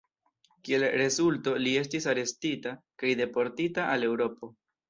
Kiel rezulto, li estis arestita kaj deportita al Eŭropo.